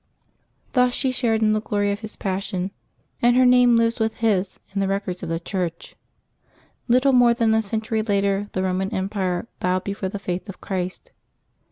^' Thus she shared in the glory of his passion, and her name lives with his in the records of the Church. Little more than a century later the Eoman Empire bowed before the faith of Christ.